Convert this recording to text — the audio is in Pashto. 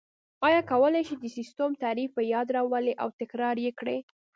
آیا کولای شئ د سیسټم تعریف په یاد راولئ او تکرار یې کړئ؟